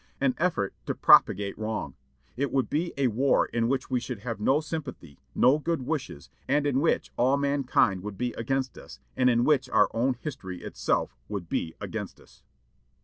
An effort to propagate wrong! It would be a war in which we should have no sympathy, no good wishes, and in which all mankind would be against us, and in which our own history itself would be against us."